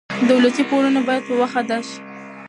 دولتي پورونه باید په وخت ادا شي.